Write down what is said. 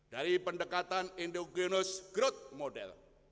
dari pendekatan endogenus growth model